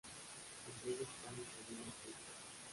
El Rey de España y sobrino suyo.